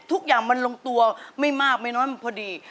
ทุกอย่างมันลงตัวไม่มากไม่น้อยพอดี